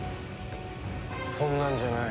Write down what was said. そんなんじゃない。